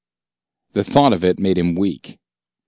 The thought of it made him weak.